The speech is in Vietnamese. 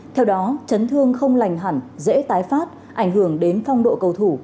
theo đó chấn thương không lành hẳn dễ tái phát ảnh hưởng đến phong độ cầu thủ